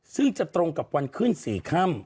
ซึ่งจะตรงกับวันขึ้น๔ค่ำ